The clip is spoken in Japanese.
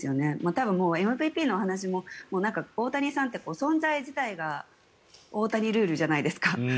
多分ＭＶＰのお話も大谷さんって存在自体が大谷ルールじゃないですか。